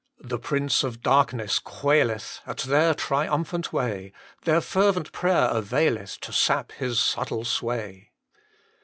The Prince of Darkness quaileth At their triumphant way, Their fervent prayer availeth To sap his subtle sway.